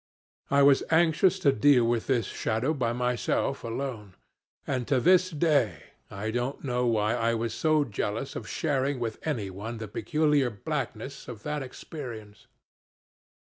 I was anxious to deal with this shadow by myself alone, and to this day I don't know why I was so jealous of sharing with anyone the peculiar blackness of that experience.